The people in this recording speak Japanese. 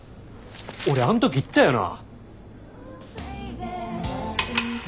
俺あん時言ったよな？